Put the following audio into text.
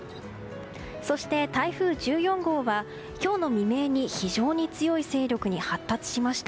そして、台風１４号は今日の未明に非常に強い勢力に発達しました。